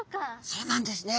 そうなんですね。